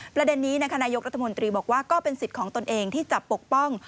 ประเด็นนี้นายกรัฐมนตรีบอกว่าก็เป็นสิทธิ์ของตนเองที่จะปกป้อง